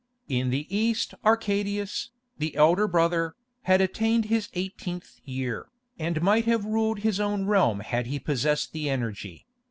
In the East Arcadius, the elder brother, had attained his eighteenth year, and might have ruled his own realm had he possessed the energy.